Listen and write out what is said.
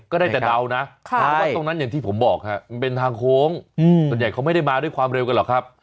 ก็ได้แต่เดานะเพราะว่าตรงนั้นอย่างที่ผมบอกมันเป็นทางโค้งส่วนใหญ่เขาไม่ได้มาด้วยความเร็วกันหรอกครับ